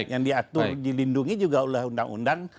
yang diatur dilindungi juga oleh undang undang